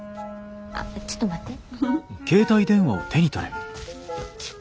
あっちょっと待って。